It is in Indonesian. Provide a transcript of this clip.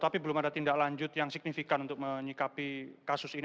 tapi belum ada tindak lanjut yang signifikan untuk menyikapi kasus ini